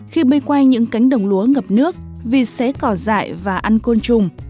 khi bây quanh những cánh đồng lúa ngập nước vịt sẽ cỏ dại và ăn côn trùng